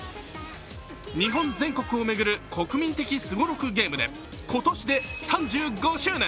日本全国を巡る国民的すごろくゲームで今年で３５周年。